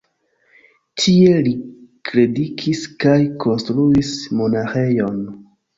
Tie li predikis kaj konstruis monaĥejon.